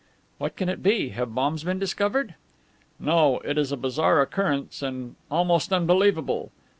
"What can it be? Have bombs been discovered?" "No. It is a bizarre occurrence and almost unbelievable.